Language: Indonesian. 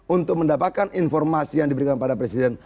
untuk mendapatkan informasi yang diberikan pada presiden